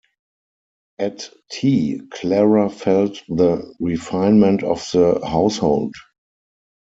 At tea Clara felt the refinement of the household.